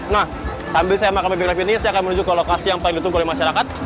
nah sambil saya makan mobil live ini saya akan menuju ke lokasi yang paling ditunggu oleh masyarakat